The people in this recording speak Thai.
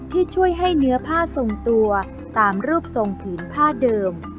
ที่ช่วยให้เนื้อผ้าทรงตัวตามรูปทรงผืนผ้าเดิม